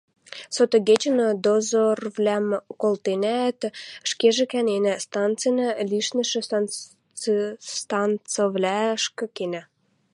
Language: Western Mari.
Сотыгечӹн дозорвлӓм колтенӓӓт, ӹшкежӹ кӓненӓ, станцинӓ лишнӹшӹ станицывлӓшкӹ кенӓ